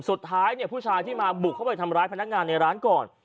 สุดท้ายเนี่ยผู้ชายที่มาบุกเข้าไปทำร้ายพนักงานในร้านก่อน